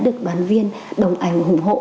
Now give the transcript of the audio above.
đã được đoàn viên đồng ảnh hủng hộ